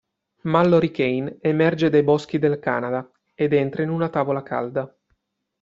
Mallory Kane emerge dai boschi del Canada ed entra in una tavola calda.